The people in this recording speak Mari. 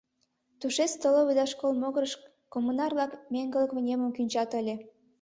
Тушеч столовый да школ могырыш коммунар-влак меҥгылык вынемым кӱнчат ыле.